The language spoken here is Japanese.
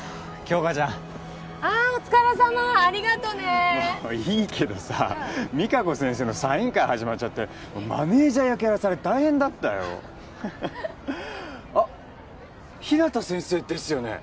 杏花ちゃんああお疲れさまありがとねいいけどさＭＩＫＡＫＯ先生のサイン会始まっちゃってマネージャー役やらされて大変だったよあっ日向先生ですよね